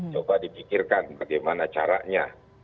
coba dipikirkan bagaimana caranya